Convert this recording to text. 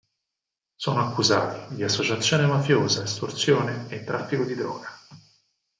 Sono accusati di associazione mafiosa, estorsione e traffico di droga.